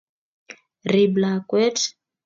rib lakwet